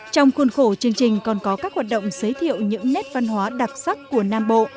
trong khuôn khổ chương trình còn có các hoạt động giới thiệu những nét văn hóa đặc sắc của nam bộ